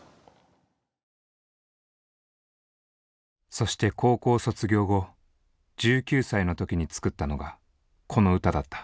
そして高校卒業後１９歳の時に作ったのがこの歌だった。